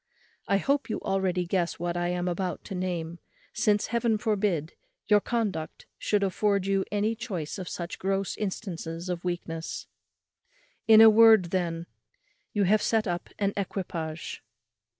I hope you already guess what I am about to name; since, Heaven forbid, your conduct should afford you any choice of such gross instances of weakness. In a word, then, you have set up an equipage.